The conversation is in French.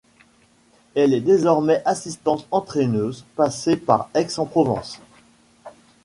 Elle est désormais assistante-entraîneuse, passée par Aix-en-Provence.